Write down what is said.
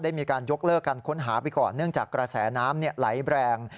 มีการยกเลิกการค้นหาไปก่อนเนื่องจากกระแสน้ำไหลแรง